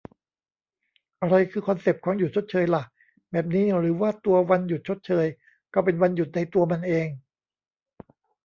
อะไรคือคอนเซปต์ของ "หยุดชดเชย" ล่ะ แบบนี้ หรือว่าตัววันหยุดชดเชย ก็เป็นวันหยุดในตัวมันเอง ?